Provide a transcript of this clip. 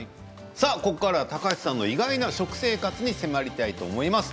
ここからは高橋さんの意外な食生活に迫りたいと思います。